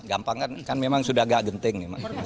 gampang kan memang sudah agak genting nih